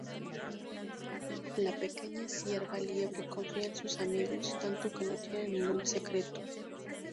La pequeña cierva liebre confía en sus amigos, tanto que no tiene ningún secreto.